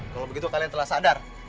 kalau begitu kalian telah sadar